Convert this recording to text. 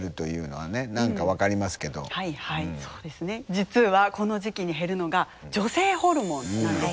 実はこの時期に減るのが女性ホルモンなんですよね。